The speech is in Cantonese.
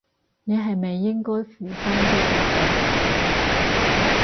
你係咪應該負返啲責任？